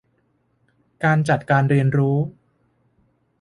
การจัดการเรียนรู้